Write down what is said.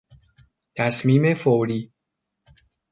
تصمیم فوری